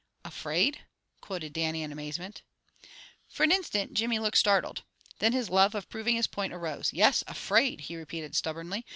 "Afraid?" quoted Dannie, in amazement. For an instant Jimmy looked startled. Then his love of proving his point arose. "Yes, afraid!" he repeated stubbornly.